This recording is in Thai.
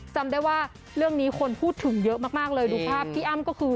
จำได้ว่าเรื่องนี้คนพูดถึงเยอะมากเลยดูภาพพี่อ้ำก็คือ